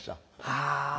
はあ。